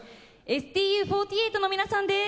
ＳＴＵ４８の皆さんです！